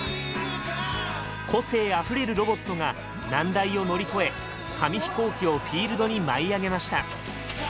個性あふれるロボットが難題を乗り越え紙飛行機をフィールドに舞い上げました。